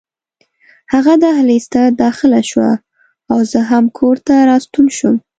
هغه دهلېز ته داخله شوه او زه هم کور ته راستون شوم.